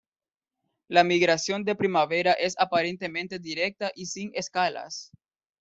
La migración de primavera es aparentemente directa y sin escalas.